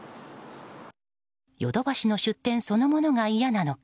ヨドバシの出店そのものが嫌なのか